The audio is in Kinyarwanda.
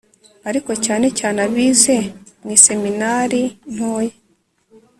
ariko cyane cyane abize mu iseminari ntoya